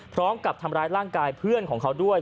พร้อมกับทำร้ายร่างกายเพื่อนของเขาด้วย